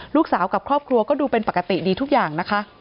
ลูกสาวกับครอบครัวก็ดูเป็นปกติดีทุกอย่างนะคะ